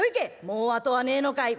「もうあとはねえのかい？」。